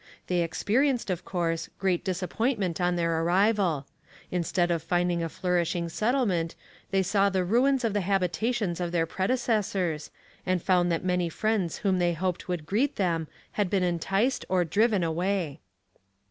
They experienced, of course, great disappointment on their arrival. Instead of finding a flourishing settlement, they saw the ruins of the habitations of their predecessors, and found that many friends whom they hoped would greet them had been enticed or driven away.